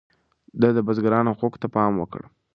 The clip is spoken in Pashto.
ده د بزګرانو حقونو ته پام وکړ.